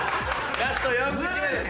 ラスト４口目です。